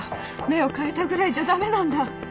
目を変えたぐらいじゃダメなんだ！